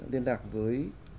liên lạc với